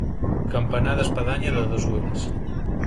Campanar d'espadanya de dos ulls.